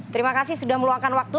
terima kasih sudah meluangkan waktu